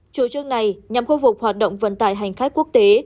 chủ trương này nhằm khôi phục hoạt động vận tải hành khách quốc tế